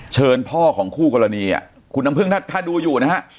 เชิญพ่อของคู่กรณีอ่ะคุณน้ำพึึ้งถ้าถ้าดูอยู่นะครับ